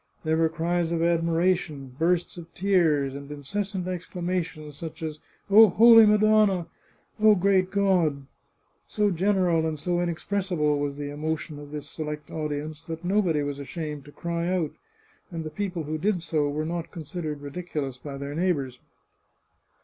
There were cries of admiration, bursts of tears, and inces sant exclamations, such as " O Holy Madonna !"" O great God !" So general and so inexpressible was the emo tion of this select audience, that nobody was ashamed to cry out, and the people who did so were not considered ridiculous by their neighbours.